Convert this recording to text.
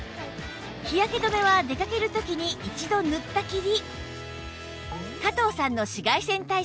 日焼け止めは出かける時に一度塗ったきり